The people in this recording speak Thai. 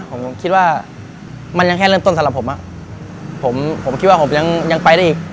ผมคิดว่ามันยังแค่เริ่มต้นสำหรับผมอ่ะผมผมคิดว่าผมยังยังไปได้อีก